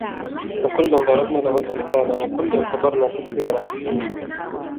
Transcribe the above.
وَكُلًّا ضَرَبْنَا لَهُ الْأَمْثَالَ وَكُلًّا تَبَّرْنَا تَتْبِيرًا